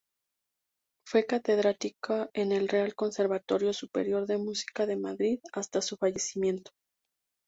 Fue catedrática en el Real Conservatorio Superior de Música de Madrid hasta su fallecimiento.